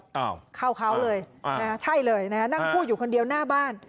อ้าวเข้าเขาเลยอ่านะฮะใช่เลยนะฮะนั่งพูดอยู่คนเดียวหน้าบ้าน